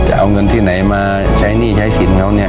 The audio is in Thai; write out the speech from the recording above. จะเอาเงินที่ไหนมาใช้หนี้ใช้สินเขาเนี่ย